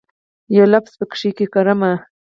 یو لفظ پکښې کرم